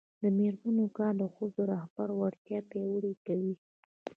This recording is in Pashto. د میرمنو کار د ښځو رهبري وړتیا پیاوړې کوي.